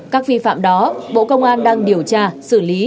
các vi phạm đó bộ công an đang điều tra xử lý